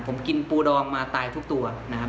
ผมกินปูดองมาตายทุกตัวนะครับ